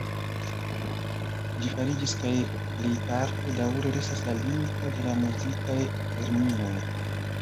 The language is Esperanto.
Ĝi fariĝis kaj plejparte daŭre restas la lingvo de la muzikaj terminoj.